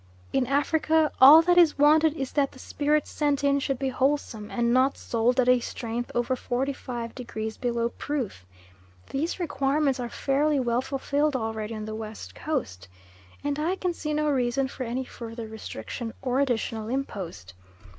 In Africa all that is wanted is that the spirit sent in should be wholesome, and not sold at a strength over 45 degrees below proof. These requirements are fairly well fulfilled already on the West Coast, and I can see no reason for any further restriction or additional impost.